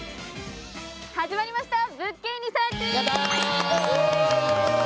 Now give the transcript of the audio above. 始まりました「物件リサーチ」！